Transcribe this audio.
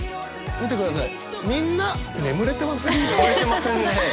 見てください。